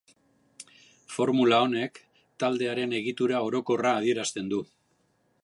Formula honek taldearen egitura orokorra adierazten du.